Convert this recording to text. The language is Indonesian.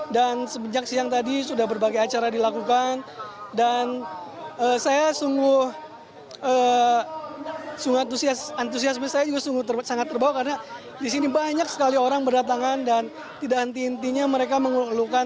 dan semenjak siang tadi sudah berbagai acara dilakukan dan saya sungguh antusiasme saya juga sangat terbawa karena disini banyak sekali orang berdatangan dan tidak henti hentinya mereka mengeluhkan tim kesayangan mereka